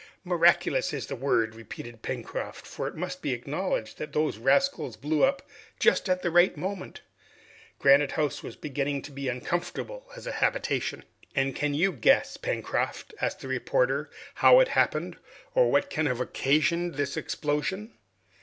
"Miraculous is the word," repeated Pencroft, "for it must be acknowledged that those rascals blew up just at the right moment! Granite House was beginning to be uncomfortable as a habitation!" "And can you guess, Pencroft," asked the reporter, "how it happened, or what can have occasioned the explosion?"